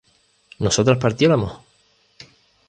¿nosotras partiéramos?